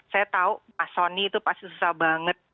saya tahu pak soni itu pasti susah banget